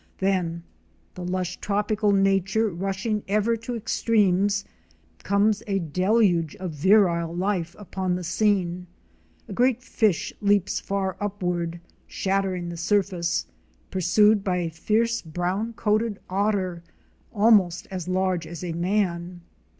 Then, — the lush tropical nature rushing ever to extremes — comes a deluge of virile life upon the scene. A great fish leaps far upward, shattering the surface, pursued by a fierce, brown coated otter, almost as large asa man.